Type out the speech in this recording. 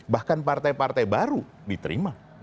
bahkan partai partai baru diterima